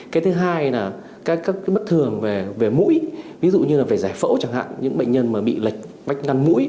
cái thứ hai là các bất thường về mũi ví dụ như là về giải phẫu chẳng hạn những bệnh nhân mà bị lệch bách năn mũi